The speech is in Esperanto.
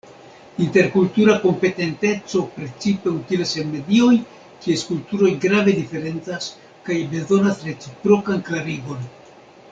Interkultura kompetenteco precipe utilas en medioj, kies kulturoj grave diferencas kaj bezonas reciprokan klarigon.